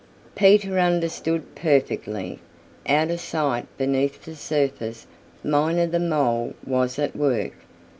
Peter understood perfectly. Out of sight beneath the surface Miner the Mole was at work.